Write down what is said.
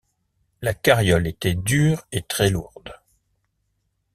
La carriole était dure et très lourde.